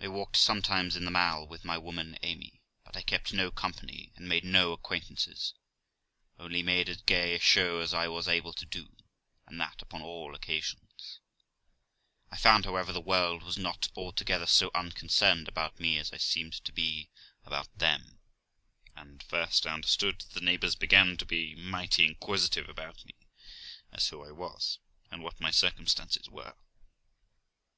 I walked sometimes in the Mall with my woman Amy, but I kept no company and made no acquaintances, only made as gay a show as I was able to do, and that upon all occasions. I found, however, the world was not altogether so unconcerned about me as I seemed to be about them; and, first, I understood that the neighbours began to be mighty inquisitive about me, as who I was, and what my circumstances were.